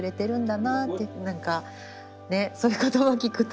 何かねそういう言葉を聞くと。